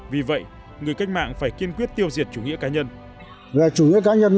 vì vậy người cách mạng phải kiên quyết tiêu diệt chủ nghĩa cá nhân